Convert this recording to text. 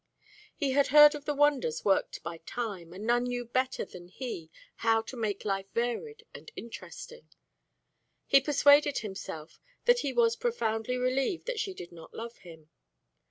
He had heard of the wonders worked by Time, and none knew better than he how to make life varied and interesting. He persuaded himself that he was profoundly relieved that she did not love him.